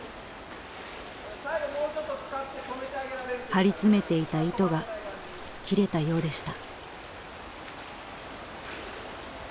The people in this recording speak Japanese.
張り詰めていた糸が切れたようでした。